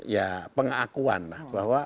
ya pengakuan bahwa